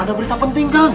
ada berita penting kang